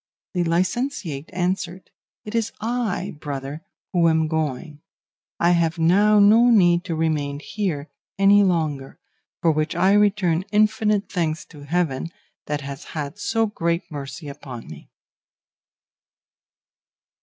The licentiate answered, 'It is I, brother, who am going; I have now no need to remain here any longer, for which I return infinite thanks to Heaven that has had so great mercy upon me.